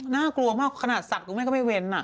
น่ากลัวมากขนาดสัตว์คุณแม่ก็ไม่เว้น